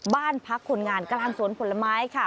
บ้านพักคนงานกลางสวนผลไม้ค่ะ